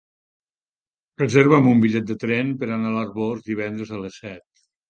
Reserva'm un bitllet de tren per anar a l'Arboç divendres a les set.